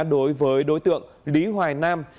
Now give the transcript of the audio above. đối với đối tượng lý hoài nam